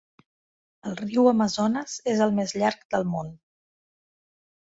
El riu Amazones és el més llarg del món.